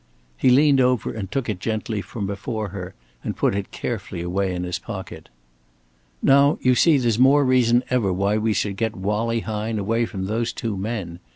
He leaned over and took it gently from before her, and put it carefully away in his pocket. "Now, you see, there's more reason ever why we should get Wallie Hine away from those two men.